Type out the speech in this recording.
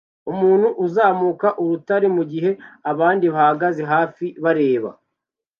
Umuntu uzamuka urutare mugihe abandi bahagaze hafi bareba